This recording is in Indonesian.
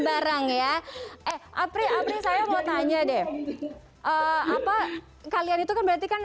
barang ya eh apri apri saya mau tanya deh apa kalian itu kan berarti kan